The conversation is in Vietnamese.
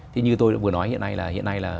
thì như tôi vừa nói hiện nay là